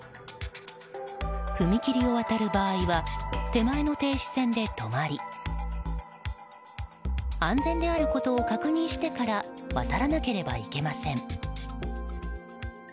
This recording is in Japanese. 踏切を渡る場合は手前の停止線で止まり安全であることを確認してから渡らなければいけません。